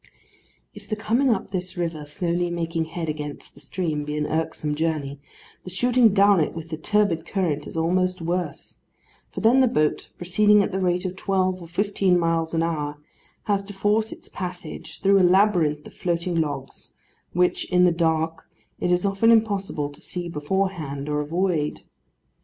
If the coming up this river, slowly making head against the stream, be an irksome journey, the shooting down it with the turbid current is almost worse; for then the boat, proceeding at the rate of twelve or fifteen miles an hour, has to force its passage through a labyrinth of floating logs, which, in the dark, it is often impossible to see beforehand or avoid.